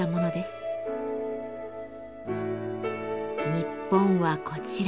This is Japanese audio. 日本はこちら。